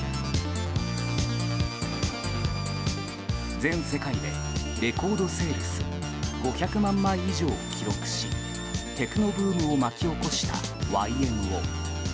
全世界でレコードセールス５００万枚以上を記録しテクノブームを巻き起こしたＹＭＯ。